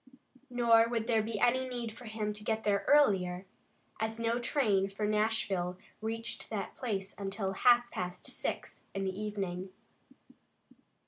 Nor would there be any need for him to get there earlier, as no train for Nashville reached that place until half past six in the evening.